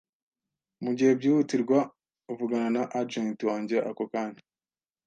Mugihe byihutirwa, vugana na agent wanjye ako kanya.